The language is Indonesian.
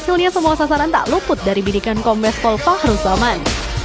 sayang hasilnya semua sasaran tak luput dari bidikan kombes pol fahruzaman